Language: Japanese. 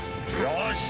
よし！